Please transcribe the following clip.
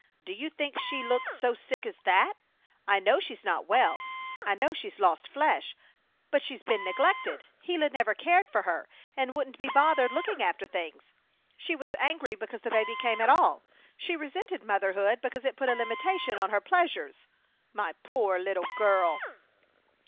"Do you think she looks so sick as that? I know she's not well. I know she's lost flesh! But she's been neglected. Gila never cared for her and wouldn't be bothered looking after things. She was angry because the baby came at all. She resented motherhood because it put a limitation on her pleasures. My poor little girl!"